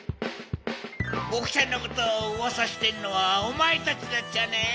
ボクちゃんのことをうわさしてるのはおまえたちだっちゃね。